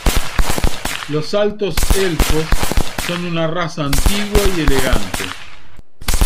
La Altos Elfos son una raza antigua y elegante.